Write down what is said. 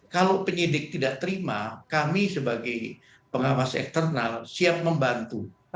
kalau penyidik tidak terima kami sebagai pengawas eksternal siap membantu